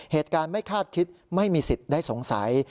เหตุการณ์ไม่คาดคิดไม่มีสิทธิ์ได้สงสัย